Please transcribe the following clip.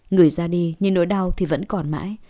người ra đi nhưng nỗi đau thì vẫn còn mãi